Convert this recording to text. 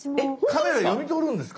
⁉カメラ読み取るんですか？